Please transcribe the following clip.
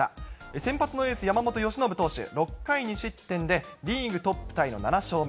先発のエース、山本由伸投手、６回２失点でリーグトップタイの７勝目。